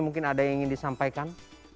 mungkin ada yang ingin disampaikan